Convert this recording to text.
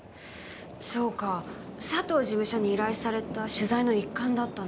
そうか佐藤事務所に依頼された取材の一環だったんだ。